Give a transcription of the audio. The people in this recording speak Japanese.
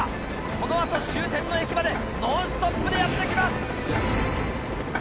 この後終点の駅までノンストップでやって来ます。